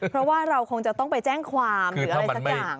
เพราะว่าเราคงจะต้องไปแจ้งความหรืออะไรสักอย่าง